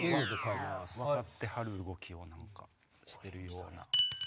分かってはる動きをしてるような。